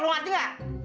lu ngerti gak